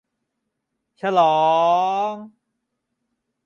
ฉลอง !